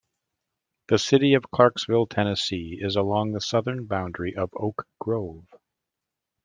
The city of Clarksville, Tennessee, is along the southern boundary of Oak Grove.